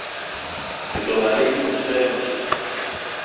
και το λαρύγγι μου στέγνωσε.